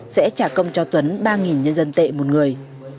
sẽ trả công cho tuấn ba nhân dân tệ một người